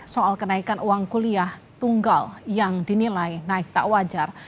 soal kenaikan uang kuliah tunggal yang dinilai naik tak wajar